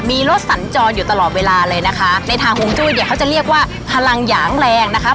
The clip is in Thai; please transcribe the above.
มีรถสัญจรอยู่ตลอดเวลาเลยนะคะในทางฮวงจุ้ยเนี่ยเขาจะเรียกว่าพลังหยางแรงนะคะ